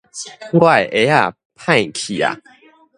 我的鞋仔歹去矣